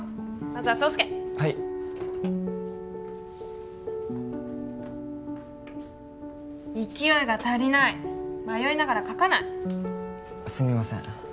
まずは草介はい勢いが足りない迷いながら描かないすみません